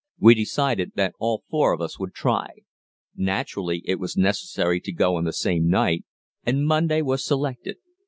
We decided that all four of us would try. Naturally it was necessary to go on the same night, and Monday was selected.